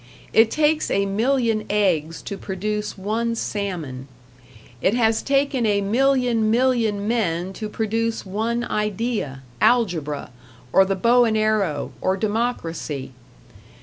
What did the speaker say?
It takes a million eggs to produce one salmon; it has taken a million million men to produce one idea algebra, or the bow and arrow, or democracy.